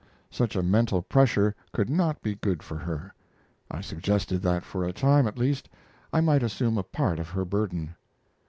Such a mental pressure could not be good for her. I suggested that for a time at least I might assume a part of her burden.